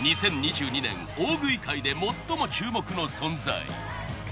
２０２２年大食い界で最も注目の存在。